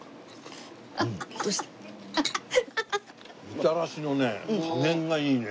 みたらしのね加減がいいね。